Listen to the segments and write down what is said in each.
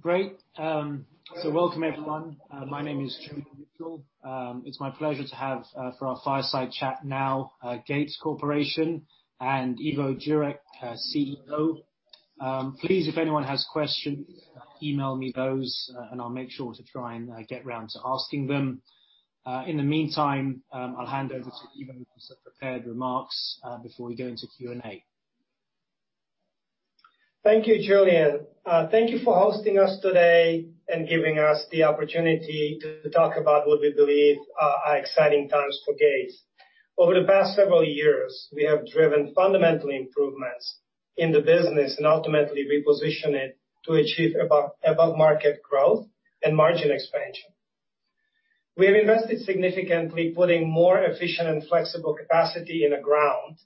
Great. So welcome everyone. My name is Julian Mitchell. It's my pleasure to have, for our fireside chat now, Gates Corporation and Ivo Jurek, CEO. Please, if anyone has questions, email me those, and I'll make sure to try and get around to asking them. In the meantime, I'll hand over to Ivo to prepare the remarks, before we go into Q&A. Thank you, Julian. Thank you for hosting us today and giving us the opportunity to talk about what we believe are exciting times for Gates. Over the past several years, we have driven fundamental improvements in the business and ultimately repositioned it to achieve above-market growth and margin expansion. We have invested significantly, putting more efficient and flexible capacity in the ground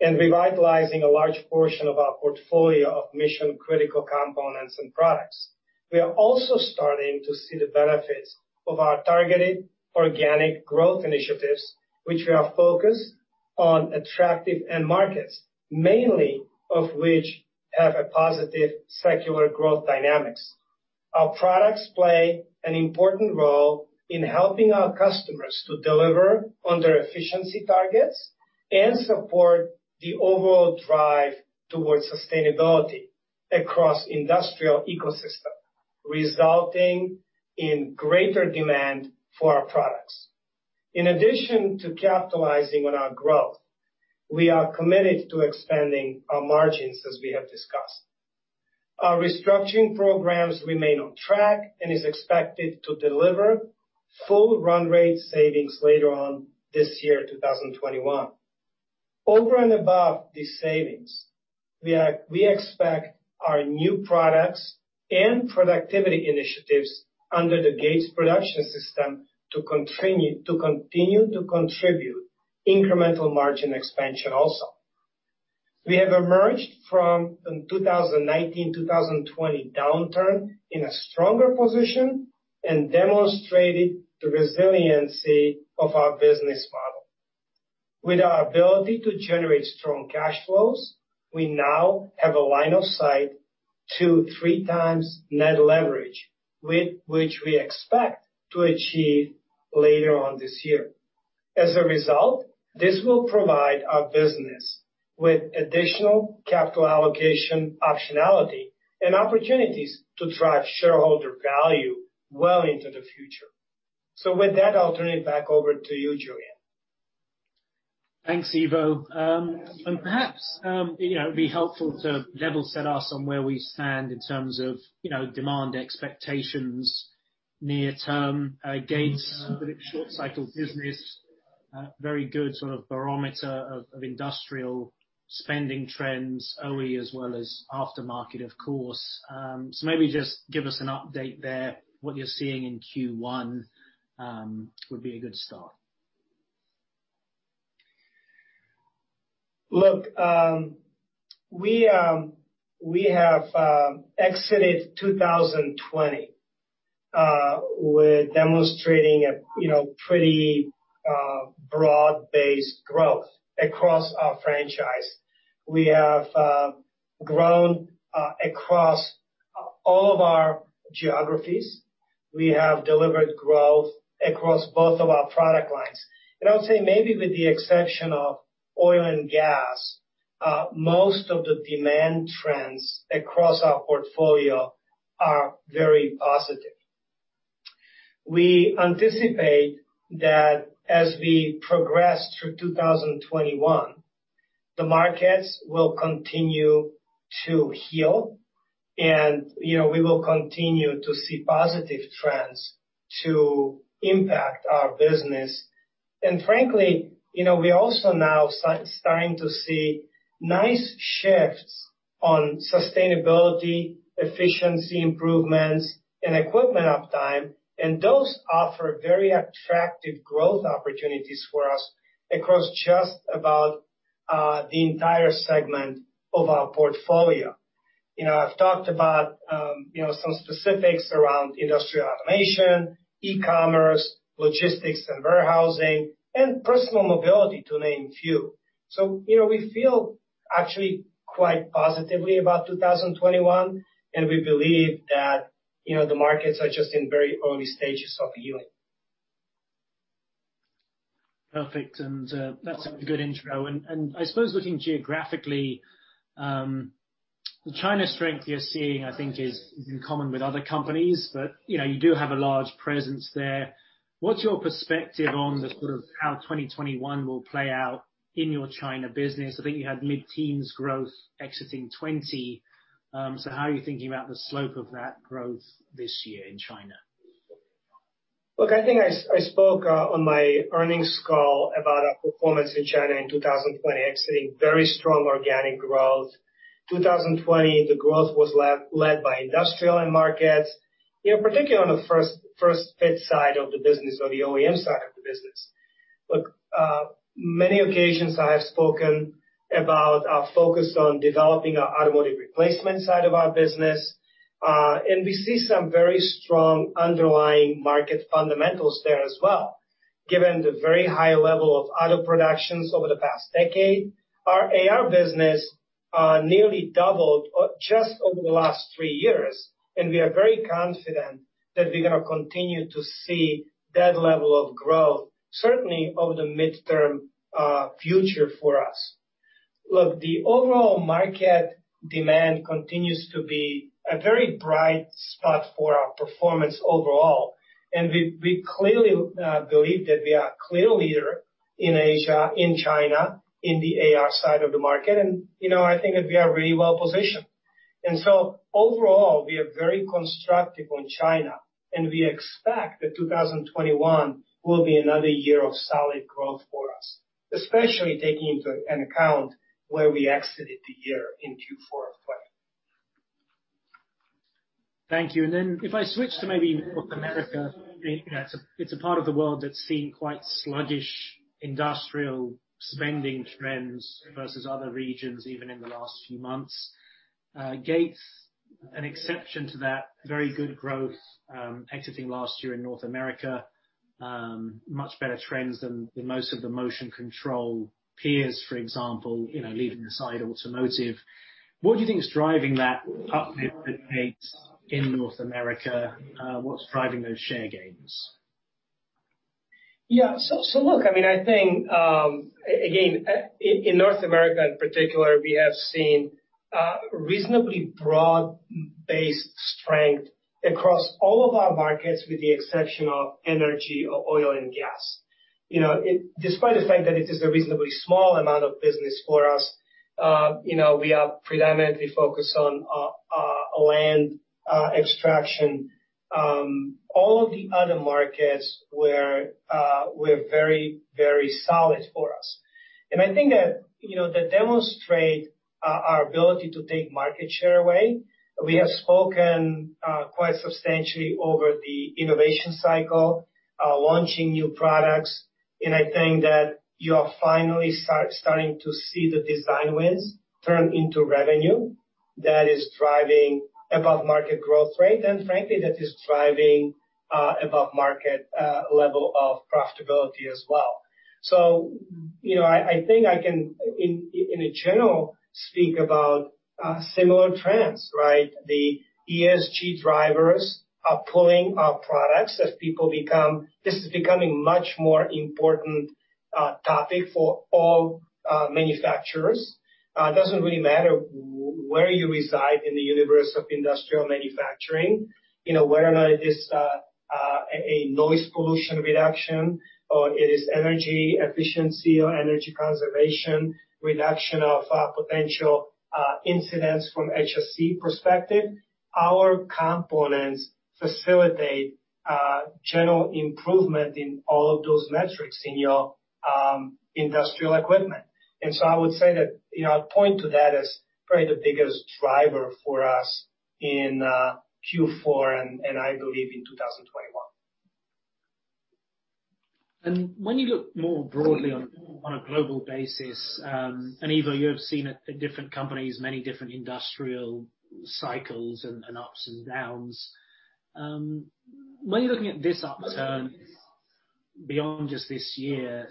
and revitalizing a large portion of our portfolio of mission-critical components and products. We are also starting to see the benefits of our targeted organic growth initiatives, which are focused on attractive end markets, many of which have positive secular growth dynamics. Our products play an important role in helping our customers to deliver on their efficiency targets and support the overall drive towards sustainability across the industrial ecosystem, resulting in greater demand for our products. In addition to capitalizing on our growth, we are committed to expanding our margins, as we have discussed. Our restructuring programs remain on track and are expected to deliver full run-rate savings later on this year, 2021. Over and above these savings, we expect our new products and productivity initiatives under the Gates production system to continue to contribute incremental margin expansion also. We have emerged from the 2019-2020 downturn in a stronger position and demonstrated the resiliency of our business model. With our ability to generate strong cash flows, we now have a line of sight to three times net leverage, which we expect to achieve later on this year. As a result, this will provide our business with additional capital allocation optionality and opportunities to drive shareholder value well into the future. With that, I'll turn it back over to you, Julian. Thanks, Ivo. And perhaps, you know, it'd be helpful to level set us on where we stand in terms of, you know, demand expectations near-term. Gates, with its short-cycle business, very good sort of barometer of, of industrial spending trends, OE, as well as aftermarket, of course. Maybe just give us an update there. What you're seeing in Q1 would be a good start. Look, we have exited 2020 with demonstrating a, you know, pretty broad-based growth across our franchise. We have grown across all of our geographies. We have delivered growth across both of our product lines. I'll say maybe with the exception of oil and gas, most of the demand trends across our portfolio are very positive. We anticipate that as we progress through 2021, the markets will continue to heal, and, you know, we will continue to see positive trends to impact our business. Frankly, you know, we also now starting to see nice shifts on sustainability, efficiency improvements, and equipment uptime, and those offer very attractive growth opportunities for us across just about the entire segment of our portfolio. You know, I've talked about, you know, some specifics around industrial automation, e-commerce, logistics and warehousing, and personal mobility, to name a few. You know, we feel actually quite positively about 2021, and we believe that, you know, the markets are just in very early stages of healing. Perfect. That's a good intro. I suppose looking geographically, China strength you're seeing, I think, is in common with other companies, but, you know, you do have a large presence there. What's your perspective on the sort of how 2021 will play out in your China business? I think you had mid-teens growth exiting 2020. How are you thinking about the slope of that growth this year in China? Look, I think I spoke on my earnings call about our performance in China in 2020, exiting very strong organic growth. 2020, the growth was led by industrial end markets, you know, particularly on the first fit side of the business or the OEM side of the business. Look, many occasions I have spoken about our focus on developing our automotive replacement side of our business, and we see some very strong underlying market fundamentals there as well. Given the very high level of auto productions over the past decade, our AR business nearly doubled just over the last three years, and we are very confident that we're gonna continue to see that level of growth, certainly over the midterm, future for us. Look, the overall market demand continues to be a very bright spot for our performance overall, and we clearly believe that we are clear leader in Asia, in China, in the AR side of the market, and, you know, I think that we are really well positioned. Overall, we are very constructive on China, and we expect that 2021 will be another year of solid growth for us, especially taking into account where we exited the year in Q4 of 2020. Thank you. If I switch to maybe North America, you know, it's a part of the world that's seen quite sluggish industrial spending trends versus other regions, even in the last few months. Gates, an exception to that, very good growth, exiting last year in North America, much better trends than most of the motion control peers, for example, you know, leaving the side automotive. What do you think's driving that uplift at Gates in North America? What's driving those share gains? Yeah, so look, I mean, I think, again, in North America in particular, we have seen reasonably broad-based strength across all of our markets with the exception of energy or oil and gas. You know, despite the fact that it is a reasonably small amount of business for us, you know, we are predominantly focused on land extraction. All of the other markets were very, very solid for us. And I think that, you know, that demonstrates our ability to take market share away. We have spoken quite substantially over the innovation cycle, launching new products, and I think that you are finally starting to see the design wins turn into revenue that is driving above-market growth rate, and frankly, that is driving above-market level of profitability as well. You know, I think I can, in general, speak about similar trends, right? The ESG drivers are pulling our products as people become, this is becoming much more important, topic for all manufacturers. It does not really matter where you reside in the universe of industrial manufacturing, you know, whether or not it is a noise pollution reduction or it is energy efficiency or energy conservation, reduction of potential incidents from HSC perspective. Our components facilitate general improvement in all of those metrics in your industrial equipment. I would say that, you know, I would point to that as probably the biggest driver for us in Q4 and I believe in 2021. When you look more broadly on a global basis, and Ivo, you have seen at different companies many different industrial cycles and ups and downs. When you're looking at this upturn beyond just this year,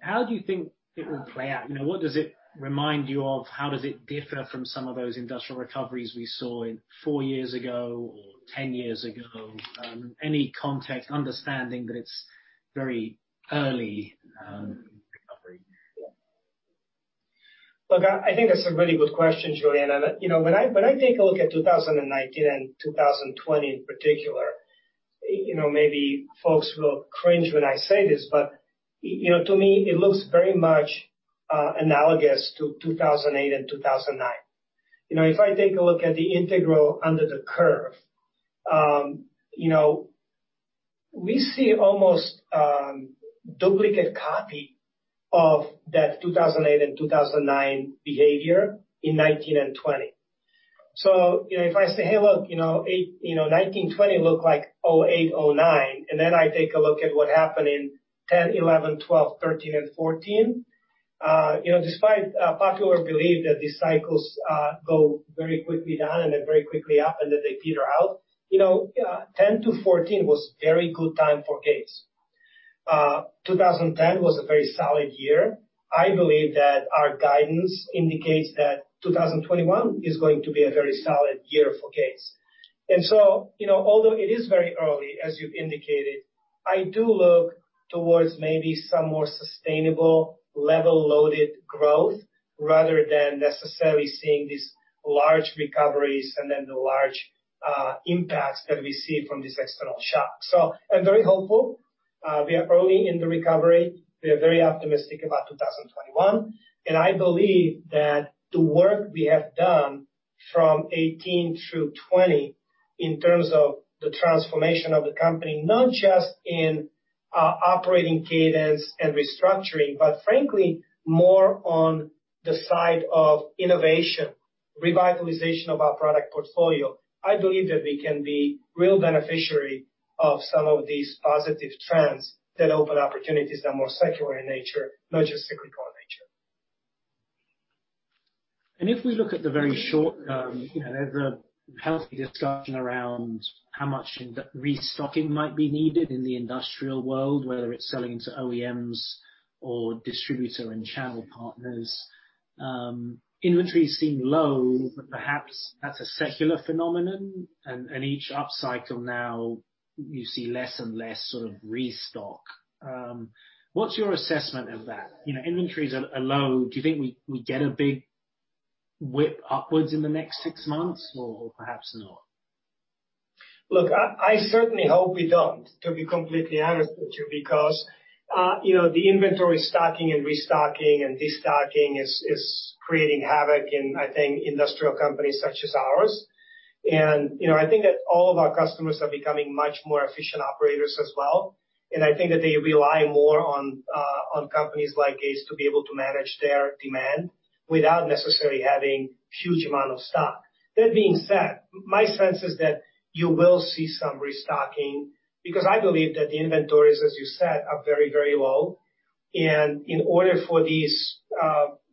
how do you think it will play out? You know, what does it remind you of? How does it differ from some of those industrial recoveries we saw four years ago or ten years ago? Any context, understanding that it's very early? Look, I think that's a really good question, Julian. And, you know, when I take a look at 2019 and 2020 in particular, maybe folks will cringe when I say this, but, you know, to me, it looks very much analogous to 2008 and 2009. You know, if I take a look at the integral under the curve, we see almost duplicate copy of that 2008 and 2009 behavior in 2019 and 2020. If I say, hey, look, 2019, 2020 look like 2008, 2009, and then I take a look at what happened in 2010, 2011, 2012, 2013, and 2014, despite popular belief that these cycles go very quickly down and very quickly up and that they teeter out, 2010-2014 was a very good time for Gates. 2010 was a very solid year. I believe that our guidance indicates that 2021 is going to be a very solid year for Gates. You know, although it is very early, as you've indicated, I do look towards maybe some more sustainable level loaded growth rather than necessarily seeing these large recoveries and then the large impacts that we see from these external shocks. I'm very hopeful. We are early in the recovery. We are very optimistic about 2021. I believe that the work we have done from 2018 through 2020 in terms of the transformation of the company, not just in operating cadence and restructuring, but frankly, more on the side of innovation, revitalization of our product portfolio, I believe that we can be real beneficiary of some of these positive trends that open opportunities that are more secular in nature, not just cyclical in nature. If we look at the very short, you know, there's a healthy discussion around how much restocking might be needed in the industrial world, whether it's selling to OEMs or distributor and channel partners. Inventories seem low, but perhaps that's a secular phenomenon, and each upcycle now you see less and less sort of restock. What's your assessment of that? You know, inventories are low. Do you think we get a big whip upwards in the next six months or perhaps not? Look, I certainly hope we don't, to be completely honest with you, because, you know, the inventory stocking and restocking and destocking is creating havoc in, I think, industrial companies such as ours. You know, I think that all of our customers are becoming much more efficient operators as well. I think that they rely more on companies like Gates to be able to manage their demand without necessarily having a huge amount of stock. That being said, my sense is that you will see some restocking because I believe that the inventories, as you said, are very, very low. In order for these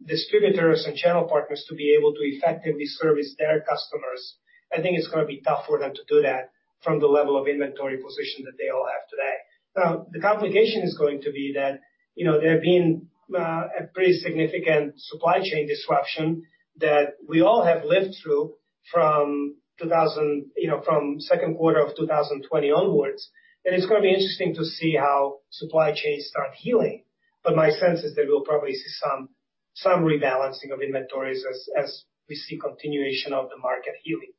distributors and channel partners to be able to effectively service their customers, I think it's gonna be tough for them to do that from the level of inventory position that they all have today. Now, the complication is going to be that, you know, there have been a pretty significant supply chain disruption that we all have lived through from 2020, you know, from second quarter of 2020 onwards. It's gonna be interesting to see how supply chains start healing. My sense is that we'll probably see some rebalancing of inventories as we see continuation of the market healing.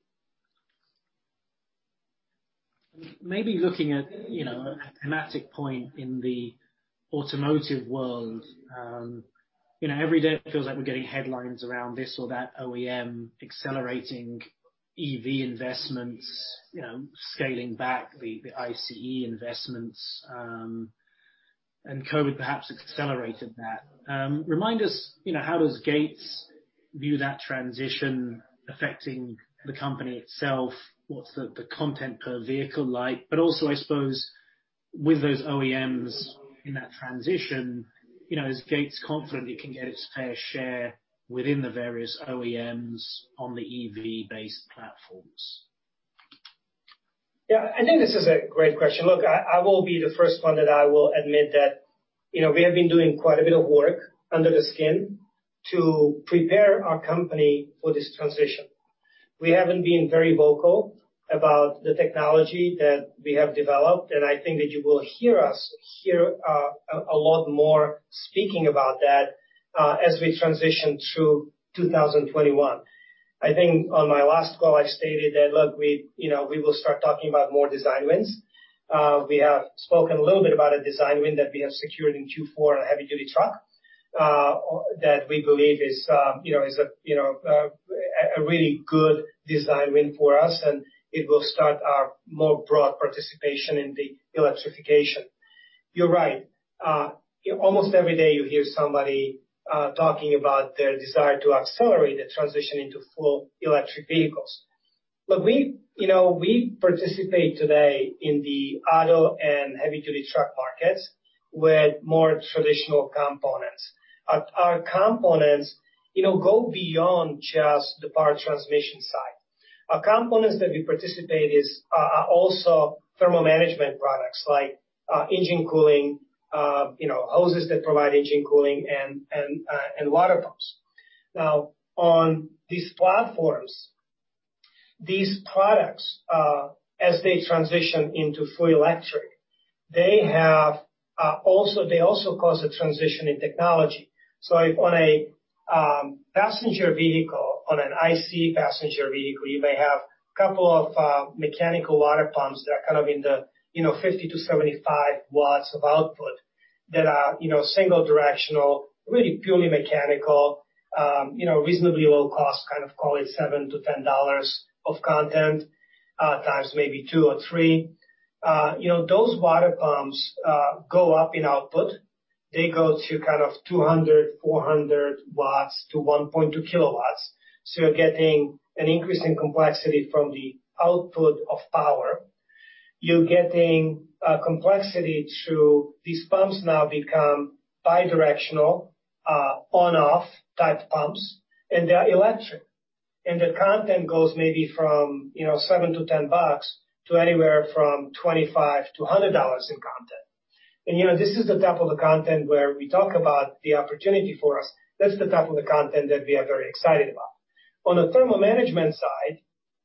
Maybe looking at, you know, a magic point in the automotive world, you know, every day it feels like we're getting headlines around this or that OEM accelerating EV investments, you know, scaling back the ICE investments, and COVID perhaps accelerated that. Remind us, you know, how does Gates view that transition affecting the company itself? What's the content per vehicle like? But also, I suppose, with those OEMs in that transition, you know, is Gates confident it can get its fair share within the various OEMs on the EV-based platforms? Yeah, I think this is a great question. Look, I will be the first one that I will admit that, you know, we have been doing quite a bit of work under the skin to prepare our company for this transition. We haven't been very vocal about the technology that we have developed, and I think that you will hear us hear a lot more speaking about that, as we transition through 2021. I think on my last call, I stated that, look, we, you know, we will start talking about more design wins. We have spoken a little bit about a design win that we have secured in Q4, a heavy-duty truck, that we believe is, you know, is a really good design win for us, and it will start our more broad participation in the electrification. You're right. Almost every day you hear somebody talking about their desire to accelerate the transition into full electric vehicles. Look, we, you know, we participate today in the auto and heavy-duty truck markets with more traditional components. Our components, you know, go beyond just the power transmission side. Our components that we participate in are also thermal management products like engine cooling, you know, hoses that provide engine cooling and water pumps. Now, on these platforms, these products, as they transition into fully electric, they also cause a transition in technology. If on a passenger vehicle, on an ICE passenger vehicle, you may have a couple of mechanical water pumps that are kind of in the, you know, 50-75 watts of output that are, you know, single directional, really purely mechanical, you know, reasonably low cost, kind of call it $7-$10 of content, times maybe two or three. You know, those water pumps go up in output. They go to kind of 200, 400 watts to 1.2 kW. You are getting an increase in complexity from the output of power. You are getting complexity through these pumps now become bi-directional, on-off type pumps, and they are electric. The content goes maybe from, you know, $7-$10 to anywhere from $25-$100 in content. You know, this is the type of the content where we talk about the opportunity for us. That's the type of the content that we are very excited about. On the thermal management side,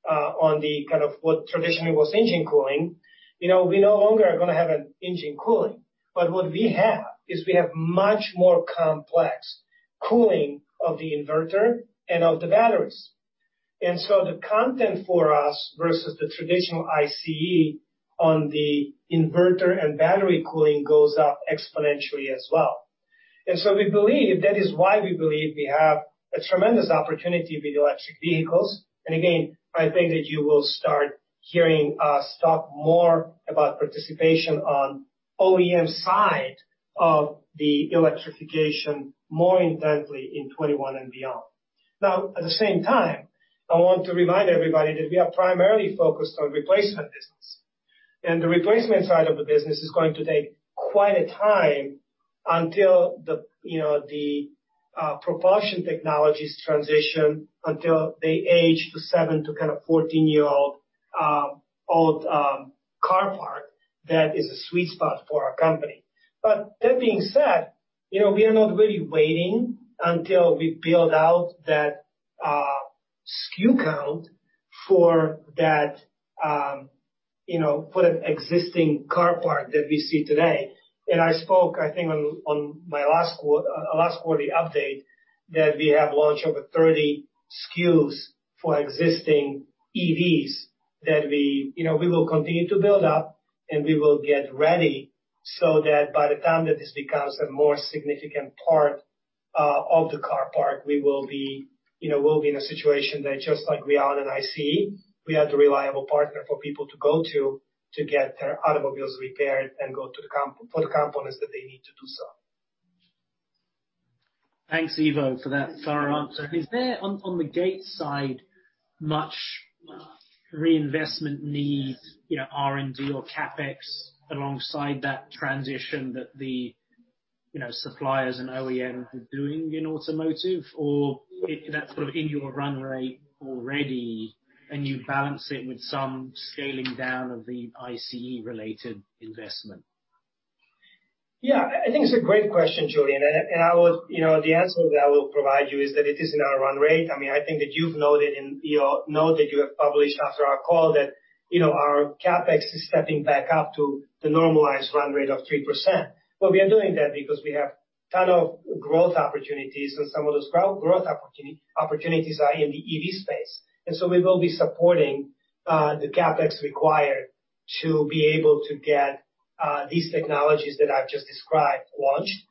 on the kind of what traditionally was engine cooling, you know, we no longer are gonna have an engine cooling. What we have is we have much more complex cooling of the inverter and of the batteries. The content for us versus the traditional ICE on the inverter and battery cooling goes up exponentially as well. We believe that is why we believe we have a tremendous opportunity with electric vehicles. Again, I think that you will start hearing us talk more about participation on OEM side of the electrification more intensely in 2021 and beyond. At the same time, I want to remind everybody that we are primarily focused on replacement business. The replacement side of the business is going to take quite a time until the, you know, the propulsion technologies transition, until they age to seven to kind of 14-year-old, old car park that is a sweet spot for our company. That being said, you know, we are not really waiting until we build out that fuel count for that, you know, for that existing car park that we see today. I spoke, I think, on my last quarterly update that we have launched over 30 SKUs for existing EVs that we, you know, we will continue to build up and we will get ready so that by the time that this becomes a more significant part of the car park, we will be, you know, we'll be in a situation that just like we are on an ICE, we have the reliable partner for people to go to, to get their automobiles repaired and go to the comp for the components that they need to do so. Thanks, Ivo, for that thorough answer. Is there, on the Gates side, much reinvestment need, you know, R&D or CapEx alongside that transition that the, you know, suppliers and OEMs are doing in automotive, or that's sort of in your run rate already, and you balance it with some scaling down of the ICE-related investment? Yeah, I think it's a great question, Julian. I will, you know, the answer that I will provide you is that it is in our run rate. I mean, I think that you've noted in your note that you have published after our call that, you know, our CapEx is stepping back up to the normalized run rate of 3%. We are doing that because we have a ton of growth opportunities, and some of those growth opportunities are in the EV space. We will be supporting the CapEx required to be able to get these technologies that I've just described launched.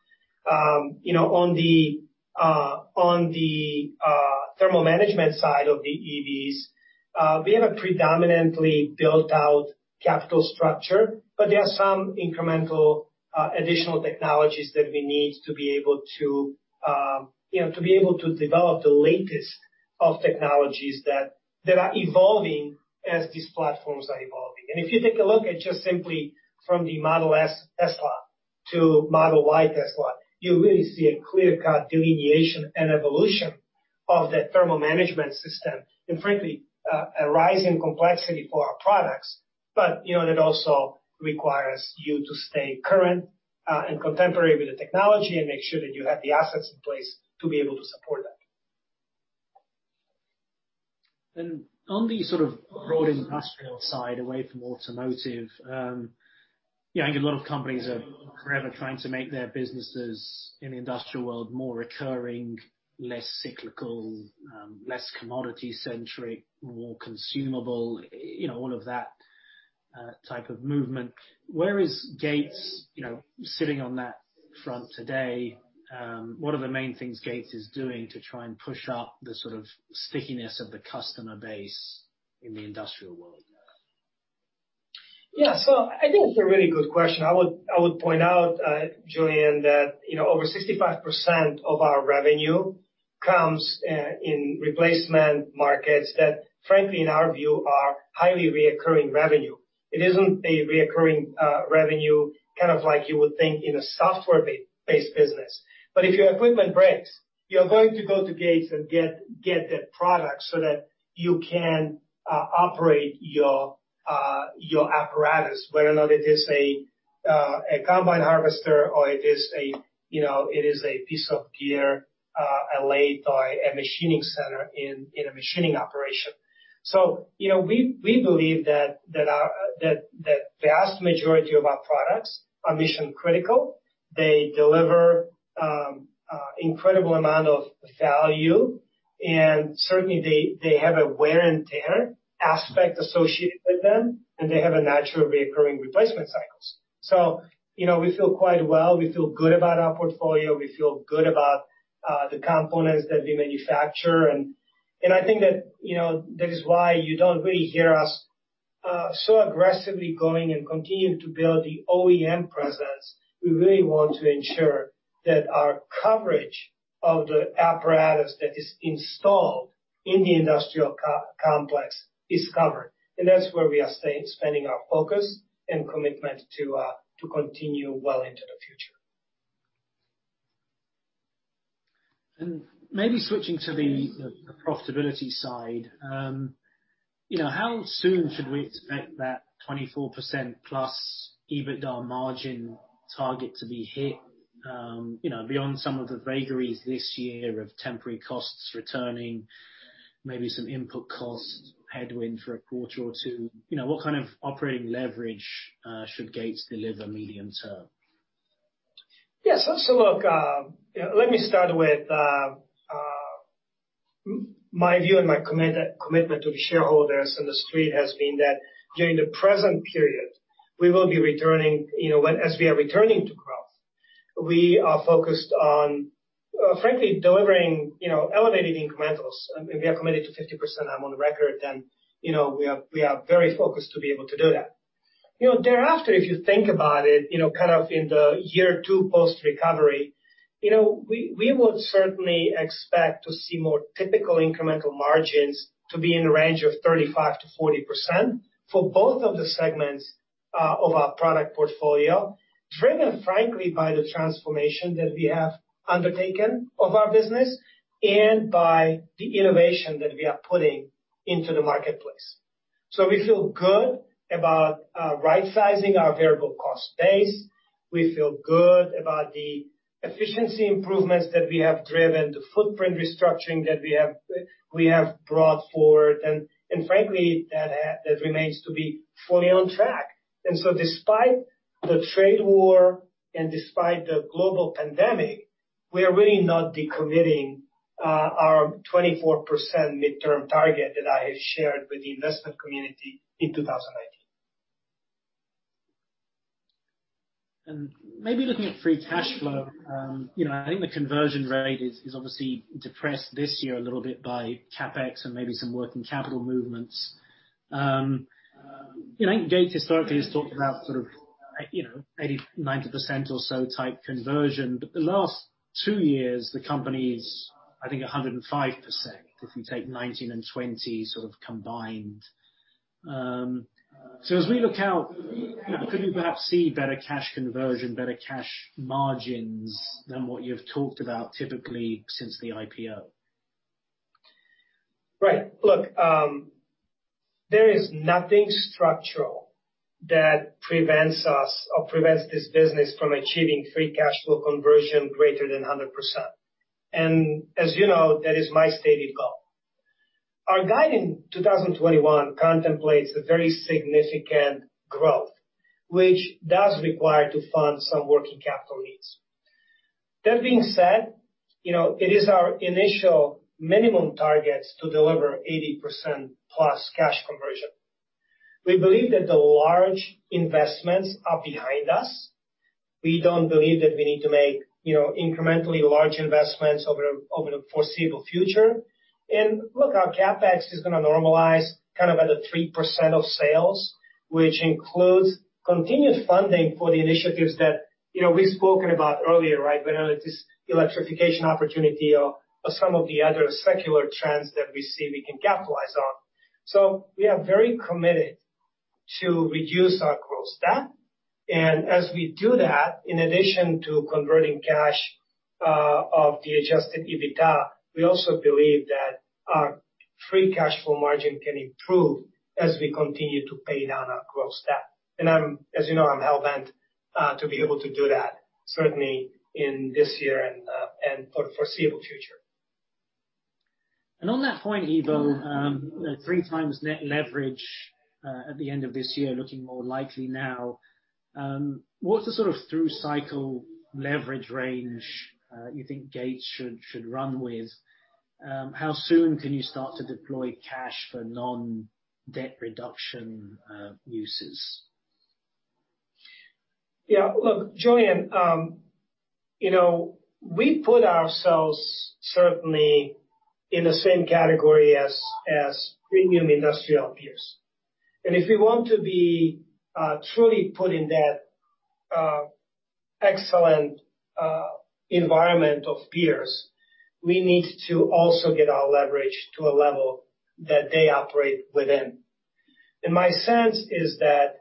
You know, on the, on the thermal management side of the EVs, we have a predominantly built-out capital structure, but there are some incremental, additional technologies that we need to be able to, you know, to be able to develop the latest of technologies that are evolving as these platforms are evolving. If you take a look at just simply from the Model S Tesla to Model Y Tesla, you really see a clear-cut delineation and evolution of that thermal management system and, frankly, a rising complexity for our products. You know, that also requires you to stay current and contemporary with the technology and make sure that you have the assets in place to be able to support that. On the sort of broad industrial side, away from automotive, yeah, I think a lot of companies are forever trying to make their businesses in the industrial world more recurring, less cyclical, less commodity-centric, more consumable, you know, all of that type of movement. Where is Gates, you know, sitting on that front today? What are the main things Gates is doing to try and push up the sort of stickiness of the customer base in the industrial world now? Yeah, so I think it's a really good question. I would, I would point out, Julian, that, you know, over 65% of our revenue comes, in replacement markets that, frankly, in our view, are highly reoccurring revenue. It isn't a reoccurring, revenue kind of like you would think in a software-based business. If your equipment breaks, you're going to go to Gates and get, get that product so that you can, operate your, your apparatus, whether or not it is a, a combine harvester or it is a, you know, it is a piece of gear, a lathe or a machining center in, in a machining operation. You know, we, we believe that, that our, that, that vast majority of our products are mission-critical. They deliver incredible amount of value, and certainly they have a wear and tear aspect associated with them, and they have a natural reoccurring replacement cycles. You know, we feel quite well. We feel good about our portfolio. We feel good about the components that we manufacture. I think that, you know, that is why you do not really hear us so aggressively going and continuing to build the OEM presence. We really want to ensure that our coverage of the apparatus that is installed in the industrial complex is covered. That is where we are spending our focus and commitment to continue well into the future. Maybe switching to the profitability side, you know, how soon should we expect that 24%+ EBITDA margin target to be hit, you know, beyond some of the vagaries this year of temporary costs returning, maybe some input cost headwinds for a quarter or two? You know, what kind of operating leverage should Gates deliver medium term? Yes, let's look, you know, let me start with, my view and my commitment to the shareholders and the street has been that during the present period, we will be returning, you know, as we are returning to growth, we are focused on, frankly, delivering, you know, elevated incrementals. We are committed to 50%. I'm on the record. You know, we are, we are very focused to be able to do that. You know, thereafter, if you think about it, you know, kind of in the year two post-recovery, you know, we would certainly expect to see more typical incremental margins to be in the range of 35-40% for both of the segments of our product portfolio, driven, frankly, by the transformation that we have undertaken of our business and by the innovation that we are putting into the marketplace. We feel good about right-sizing our variable cost base. We feel good about the efficiency improvements that we have driven, the footprint restructuring that we have brought forward. Frankly, that remains to be fully on track. Despite the trade war and despite the global pandemic, we are really not decommitting our 24% midterm target that I had shared with the investment community in 2019. Maybe looking at free cash flow, you know, I think the conversion rate is obviously depressed this year a little bit by CapEx and maybe some working capital movements. You know, I think Gates historically has talked about sort of, you know, 80-90% or so type conversion. But the last two years, the company's, I think, 105% if you take 2019 and 2020 sort of combined. As we look out, you know, could we perhaps see better cash conversion, better cash margin than what you've talked about typically since the IPO? Right. Look, there is nothing structural that prevents us or prevents this business from achieving free cash flow conversion greater than 100%. As you know, that is my stated goal. Our guiding 2021 contemplates a very significant growth, which does require to fund some working capital needs. That being said, you know, it is our initial minimum targets to deliver 80% plus cash conversion. We believe that the large investments are behind us. We do not believe that we need to make, you know, incrementally large investments over, over the foreseeable future. Look, our CapEx is gonna normalize kind of at a 3% of sales, which includes continued funding for the initiatives that, you know, we have spoken about earlier, right, whether it is electrification opportunity or, or some of the other secular trends that we see we can capitalize on. We are very committed to reduce our growth stock. As we do that, in addition to converting cash of the Adjusted EBITDA, we also believe that our free cash flow margin can improve as we continue to pay down our growth stock. I'm, as you know, I'm hellbent to be able to do that certainly in this year and for the foreseeable future. On that point, Ivo, that three times net leverage at the end of this year, looking more likely now, what's the sort of through cycle leverage range you think Gates should run with? How soon can you start to deploy cash for non-debt reduction uses? Yeah, Julian, you know, we put ourselves certainly in the same category as premium industrial peers. If we want to be truly put in that excellent environment of peers, we need to also get our leverage to a level that they operate within. My sense is that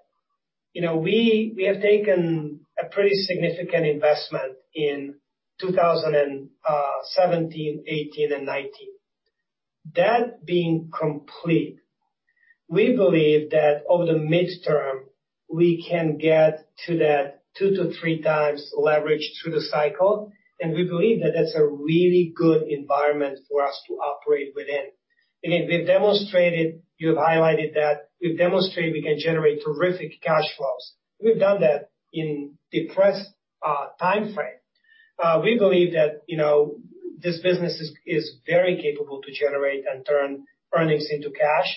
we have taken a pretty significant investment in 2017, 2018, and 2019. That being complete, we believe that over the midterm, we can get to that two to three times leverage through the cycle. We believe that that's a really good environment for us to operate within. Again, you've highlighted that we've demonstrated we can generate terrific cash flows. We've done that in depressed timeframe. We believe that, you know, this business is very capable to generate and turn earnings into cash.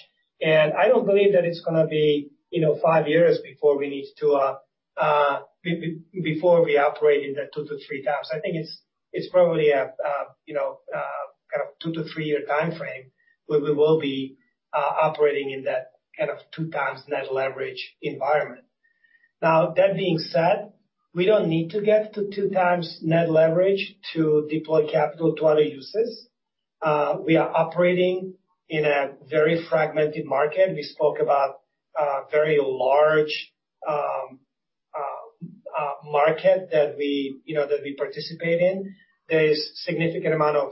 I don't believe that it's gonna be, you know, five years before we need to, before we operate in that two to three times. I think it's, it's probably a, you know, kind of two to three year timeframe where we will be, operating in that kind of two times net leverage environment. Now, that being said, we don't need to get to two times net leverage to deploy capital to other uses. We are operating in a very fragmented market. We spoke about, very large, market that we, you know, that we participate in. There is a significant amount of,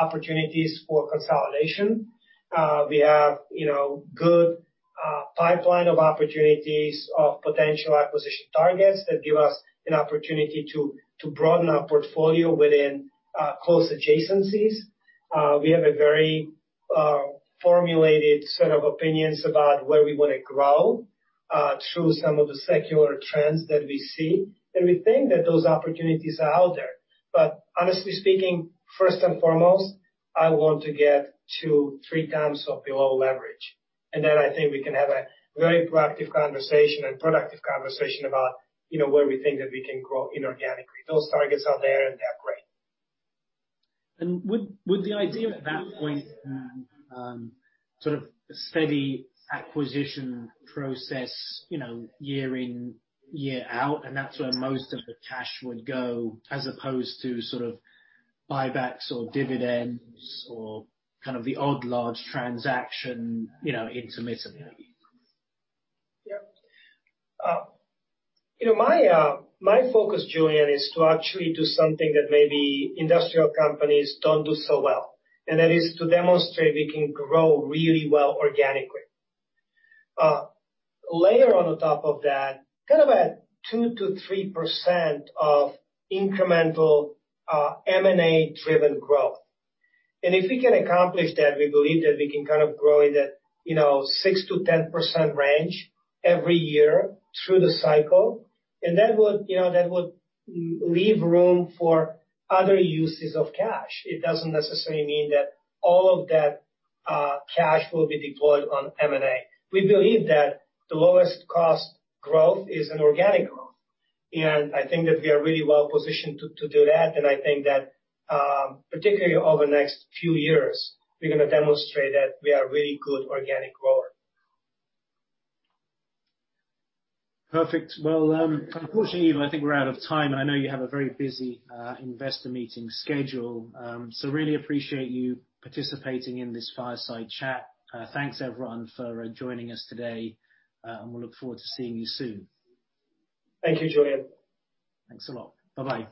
opportunities for consolidation. We have, you know, good, pipeline of opportunities of potential acquisition targets that give us an opportunity to, to broaden our portfolio within, close adjacencies. We have a very formulated set of opinions about where we wanna grow, through some of the secular trends that we see. We think that those opportunities are out there. Honestly speaking, first and foremost, I want to get to three times or below leverage. I think we can have a very proactive conversation and productive conversation about, you know, where we think that we can grow inorganically. Those targets are there and they're great. Would the idea at that point, sort of steady acquisition process, you know, year in, year out, and that's where most of the cash would go as opposed to sort of buybacks or dividends or kind of the odd large transaction, you know, intermittently? You know, my focus, Julian, is to actually do something that maybe industrial companies do not do so well. That is to demonstrate we can grow really well organically. Layer on top of that, kind of a 2-3% of incremental, M&A driven growth. If we can accomplish that, we believe that we can kind of grow in that, you know, 6-10% range every year through the cycle. That would, you know, that would leave room for other uses of cash. It does not necessarily mean that all of that cash will be deployed on M&A. We believe that the lowest cost growth is an organic growth. I think that we are really well positioned to do that. I think that, particularly over the next few years, we are gonna demonstrate that we are really good organic grower. Perfect. Unfortunately, Eva, I think we're out of time. I know you have a very busy investor meeting schedule, so really appreciate you participating in this fireside chat. Thanks everyone for joining us today, and we'll look forward to seeing you soon. Thank you, Julian. Thanks a lot. Bye-bye.